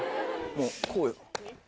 もうこうよ。